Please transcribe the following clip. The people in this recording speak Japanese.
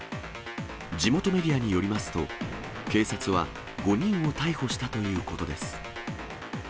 地元メディアによりますと、警察は５人を逮捕したということです。